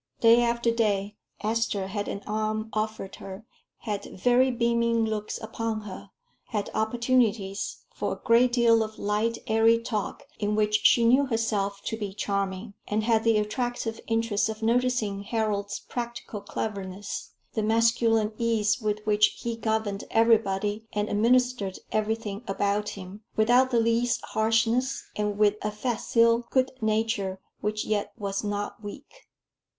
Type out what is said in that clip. Day after day Esther had an arm offered her, had very beaming looks upon her, had opportunities for a great deal of light, airy talk, in which she knew herself to be charming, and had the attractive interest of noticing Harold's practical cleverness the masculine ease with which he governed everybody and administered everything about him, without the least harshness, and with a facile good nature which yet was not weak.